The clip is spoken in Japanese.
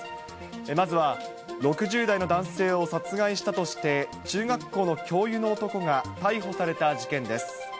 まずは６０代の男性を殺害したとして、中学校の教諭の男が逮捕された事件です。